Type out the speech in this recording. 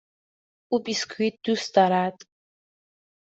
او بیسکوییت دوست دارد.